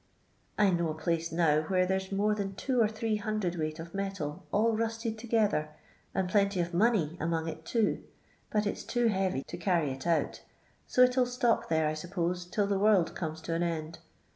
I know a place now where there 's more than two or three hundred weight of metal all rusted together, and plenty of money among it too ; but it 's too heavy to carry it out, so it 'ill stop there I s'pose till the world comes to an end.